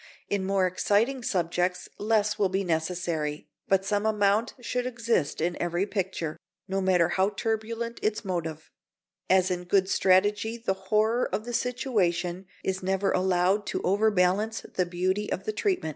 In more exciting subjects less will be necessary, but some amount should exist in every picture, no matter how turbulent its motive; as in good tragedy the horror of the situation is never allowed to overbalance the beauty of the treatment.